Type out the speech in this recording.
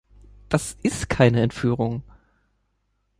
Das ist keine Entführung.